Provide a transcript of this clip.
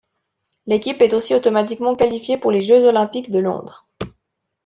L'équipe est aussi automatiquement qualifiée pour les Jeux Olympiques de Londres.